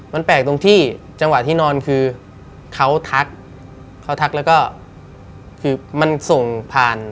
มันแปลกตรงที่จังหวะที่นอนคือเขาทักเขาทักแล้วก็คือมันส่งผ่าน